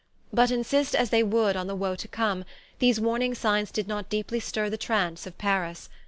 But insist as they would on the woe to come, these warning signs did not deeply stir the trance of Paris.